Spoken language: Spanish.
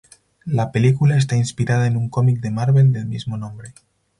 La película está inspirada en un cómic de Marvel del mismo nombre.